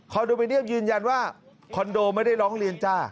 โดมิเนียมยืนยันว่าคอนโดไม่ได้ร้องเรียนจ้า